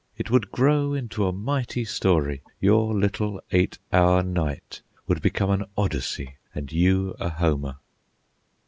It would grow into a mighty story. Your little eight hour night would become an Odyssey and you a Homer.